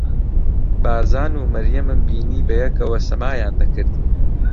بارزان و مەریەمم بینی بەیەکەوە سەمایان دەکرد.